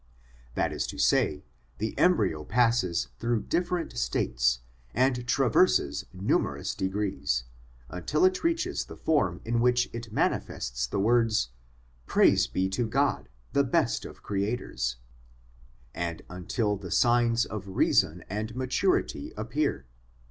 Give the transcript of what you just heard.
That is to say, the embryo passes through different states and traverses numerous degrees, until it reaches the form in which it manifests the words ' Praise be to God, the best of Creators/ and until the signs of reason and maturity appear.